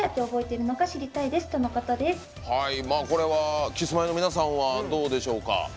これはキスマイの皆さんはどうでしょうか。